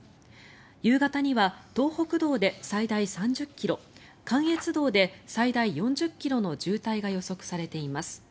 夕方には東北道で最大３０ｋｍ関越道で最大４０ｋｍの渋滞が予測されています。